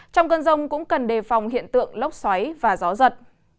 trong cơn rông cũng cần đề phòng hiện tượng lốc xoáy và gió giật